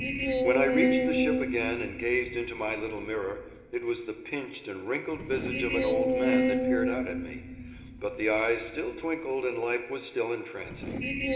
When I reached the ship again and gazed into my little mirror, it was the pinched and wrinkled visage of an old man that peered out at me, but the eyes still twinkled and life was still entrancing.